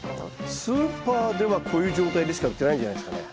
スーパーではこういう状態でしか売ってないんじゃないですかね。